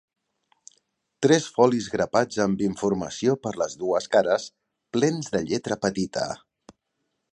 Tres folis grapats amb informació per les dues cares, plens de lletra petita.